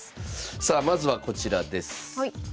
さあまずはこちらです。